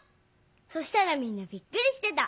そしたらみんなびっくりしてた。